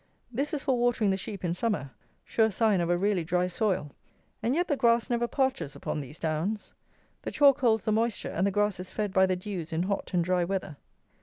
This is for watering the sheep in summer; sure sign of a really dry soil; and yet the grass never parches upon these downs. The chalk holds the moisture, and the grass is fed by the dews in hot and dry weather.